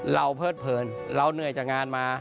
เพิดเผินเราเหนื่อยจากงานมา